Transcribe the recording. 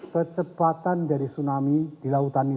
kecepatan dari tsunami di lautan itu